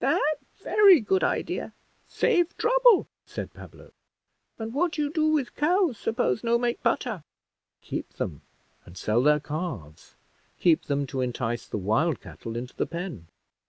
"That very good idea save trouble," said Pablo. "And what you do with cows, suppose no make butter?" "Keep them, and sell their calves; keep them to entice the wild cattle into the pen."